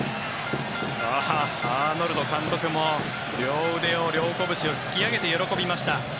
アーノルド監督も両腕を、両こぶしを突き上げて喜びました。